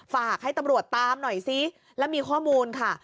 ฝากให้ตำรวจตามหน่อยซิแล้วมีข้อมูลค่ะ